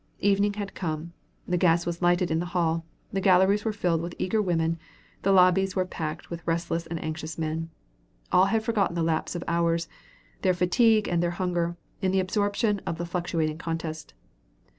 Evening had come; the gas was lighted in the hall, the galleries were filled with eager women, the lobbies were packed with restless and anxious men. All had forgotten the lapse of hours, their fatigue and their hunger, in the absorption of the fluctuating contest.